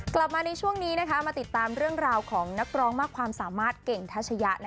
กลับมาในช่วงนี้มาติดตามเรื่องราวของนักร้องมากความสามารถเก่งทัชยะ